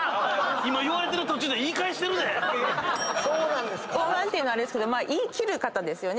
今言われてる途中で言い返してるで⁉ごう慢っていうのはあれですけど言い切る方ですよね。